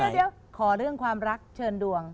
เดี๋ยวขอเรื่องความรักเชิญดวง